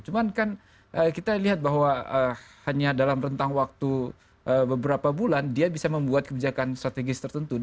cuman kan kita lihat bahwa hanya dalam rentang waktu beberapa bulan dia bisa membuat kebijakan strategis tertentu